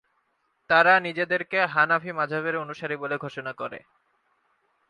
তারা নিজেদেরকে হানাফি মাজহাবের অনুসারী বলে ঘোষণা করে।